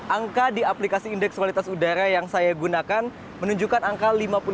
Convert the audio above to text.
angka di aplikasi indeks kualitas udara yang saya gunakan menunjukkan angka lima puluh delapan